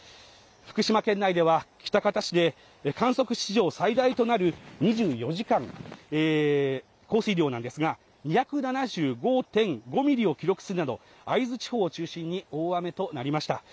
福島県内では喜多方市で観測史上最大となる２４時間降水量なんですが２７５．５ミリを記録するなど会津地方を中心に大雨となりました